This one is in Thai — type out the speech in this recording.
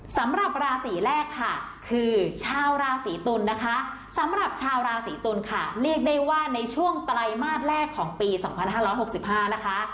สำหรับราศีแรกค่ะคือชาวราศีตุลนะคะสำหรับชาวราศีตุลค่ะเรียกได้ว่าในช่วงไตรมาสแรกของปี๒๕๖๕นะคะ